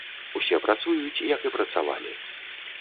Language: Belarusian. Усе працуюць, як і працавалі.